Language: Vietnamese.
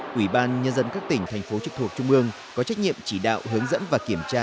quỹ ban nhân dân các tỉnh thành phố trực thuộc trung ương có trách nhiệm chỉ đạo hướng dẫn và kiểm tra